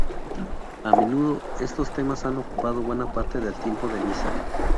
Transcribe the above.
A menudo, estos temas han ocupado buena parte del tiempo de misa.